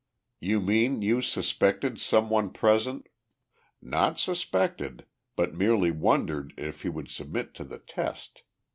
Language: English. "You mean you suspected some one present " "Not suspected, but merely wondered if he would submit to the test.